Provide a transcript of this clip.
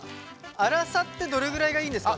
粗さってどれぐらいがいいんですかね？